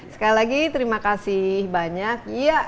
sekali lagi terima kasih banyak